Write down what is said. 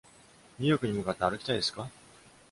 ニューヨークに向かって歩きたいですか？